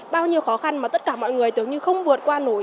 bao nhiêu khó khăn mà tất cả mọi người tưởng như không vượt qua nổi